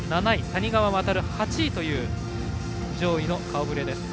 谷川航、８位という上位の顔ぶれ。